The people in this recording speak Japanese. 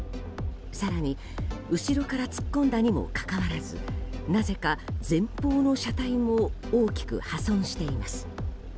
更に後ろから突っ込んだにもかかわらずなぜか前方の車体も大きく破損しています。